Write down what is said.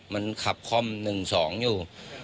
มันขับคล่อม๑๒อยู่